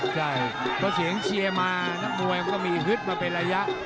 ใช่เพราะเสียงเชียร์มานักมวยมันก็มีฮึดมาเป็นระยะ